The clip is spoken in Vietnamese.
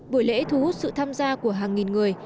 buổi lễ thu hút sự tham gia của hàng nghìn người